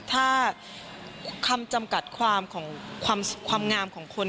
ถ้าคำจำกัดความของความงามของคน